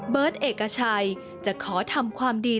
เบิร์ตเอกชัยจะขอทำความดี